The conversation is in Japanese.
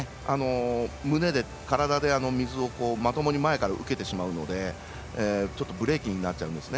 胸で体で水を前からまともに受けてしまうのでブレーキになっちゃうんですね。